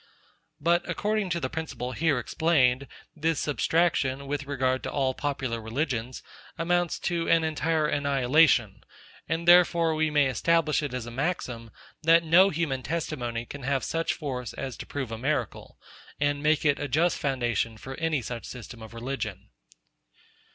But according to the principle here explained, this substraction, with regard to all popular religions, amounts to an entire annihilation; and therefore we may establish it as a maxim, that no human testimony can have such force as to prove a miracle, and make it a just foundation for any such system of religion.